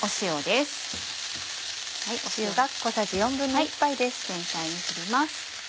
全体に振ります。